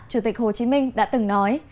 chủ tịch hồ chí minh đã từng nói